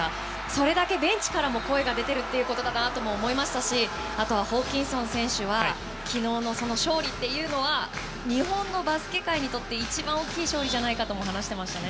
それだけベンチからも声が出ていることだなと思いましたしホーキンソン選手は昨日の勝利というのは日本のバスケ界にとって一番大きい勝利とも話していました。